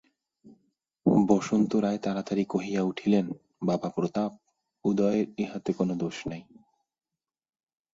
বসন্ত রায় তাড়াতাড়ি কহিয়া উঠিলেন, বাবা প্রতাপ, উদয়ের ইহাতে কোনো দোষ নাই।